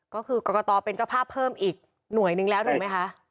ก็คือกรกตเป็นเจ้าภาพเพิ่มอีกหน่วยนึงแล้วถูกไหมคะ